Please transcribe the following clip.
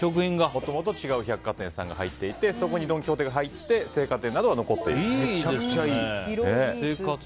もともと違う百貨店さんが入っていてそこにドン・キホーテが入って青果店などが残っていると。